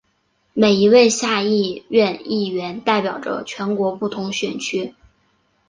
每一位下议院议员代表着全国不同选区。